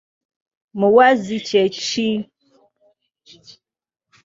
Muwaazi kye ki?.